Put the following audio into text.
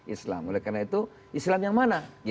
islam oleh karena itu islam yang mana